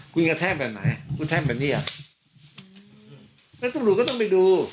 คุณกระแทกแบบไหนคุณแทกแบบนี้อ่ะแล้วตำรวจก็ต้องไปดู